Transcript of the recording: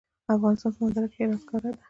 د افغانستان په منظره کې هرات ښکاره ده.